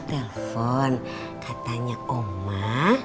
telpon katanya oma